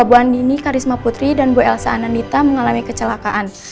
buan dini karisma putri dan bu elsa anandita mengalami kecelakaan